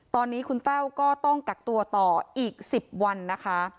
ตอนนี้คุณแต้วก็ต้องกักตัวต่ออีก๑๐วันนะคะ